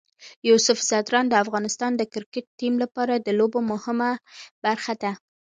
یوسف ځدراڼ د افغانستان د کرکټ ټیم لپاره د لوبو مهمه برخه ده.